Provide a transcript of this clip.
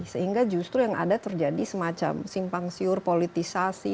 sehingga justru yang ada terjadi semacam simpang siur politisasi